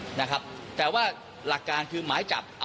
หลักการข้อมูลมายจับ